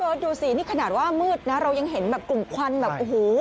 ดูสินี่ขนาดว่ามืดนะเรายังเห็นแบบกลุ่มควันแบบโอ้โห